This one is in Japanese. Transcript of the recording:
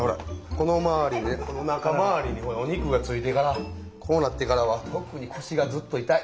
このまわりねおなかまわりにお肉がついてからこうなってからは特に腰がずっと痛い！